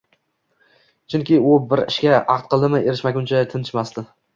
Chunki u bir ishga ahd qildimi, erishmaguncha tinchimasdi